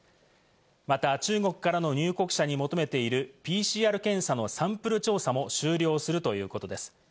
また中国からの入国者に求めているＰＣＲ検査のサンプル調査も終了するということです。